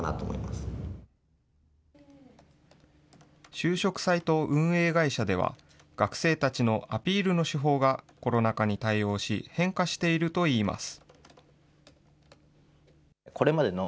就職サイト運営会社では、学生たちのアピールの手法がコロナ禍に対応し、変化しているといいます。